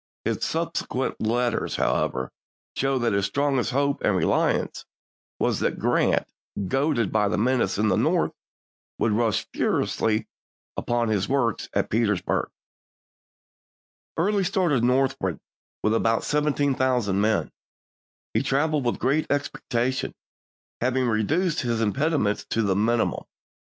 His subsequent letters, however, show that his strongest hope and reliance was that Grant, goaded by the menace in the North, would rush furiously upon his works at Petersburg. (SI.NIIKAL FJiANZ SIliEL. EARLY'S CAMPAIGN AGAINST WASHINGTON 161 Early started northward with about seventeen chap.vii. thousand men. He traveled with great expedi tion, having reduced his impediments to the mini mum.